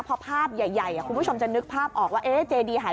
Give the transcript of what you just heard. เพราะภาพใหญ่คุณผู้ชมจะนึกภาพออกว่า